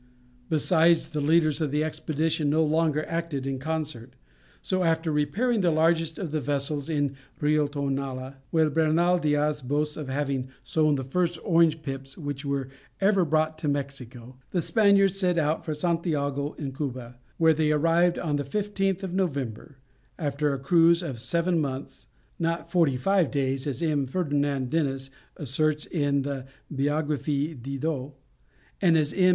Besides, the leaders of the expedition no longer acted in concert, so after repairing the largest of the vessels in the Rio Tonala, where Bernal Diaz boasts of having sown the first orange pips which were ever brought to Mexico, the Spaniards set out for Santiago in Cuba, where they arrived on the 15th of November, after a cruise of seven months, not forty five days, as M. Ferdinand Denis asserts in the Biographie Didot, and as M.